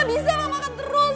aku ga bisa lah makan terus